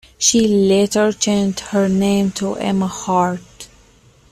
She later changed her name to Emma Hart.